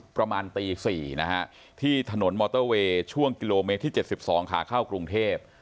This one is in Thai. ประมาณตี๔นะฮะที่ถนนมอเตอร์เวย์ช่วงกิโลเมตรที่๗๒ขาเข้ากรุงเทพ